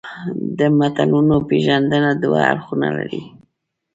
د متلونو پېژندنه دوه اړخونه لري